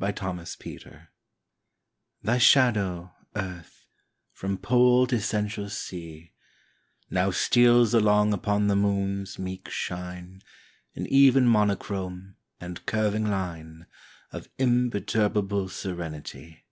AT A LUNAR ECLIPSE THY shadow, Earth, from Pole to Central Sea, Now steals along upon the Moon's meek shine In even monochrome and curving line Of imperturbable serenity.